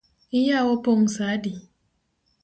Iyawo pong’ sa adi?